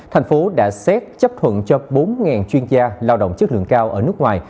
tp hcm đã xét chấp thuận cho bốn chuyên gia lao động chất lượng cao ở nước ngoài